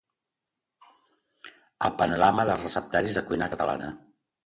el panorama dels receptaris de cuina catalana